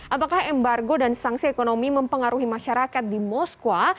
apakah embargo dan sanksi ekonomi mempengaruhi masyarakat di moskwa